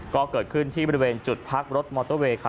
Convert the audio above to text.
ก็เกิดขึ้นที่บริเวณจุดพักรถมอเตอร์เวย์ค่ะ